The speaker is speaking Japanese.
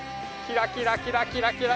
キラキラキラキラ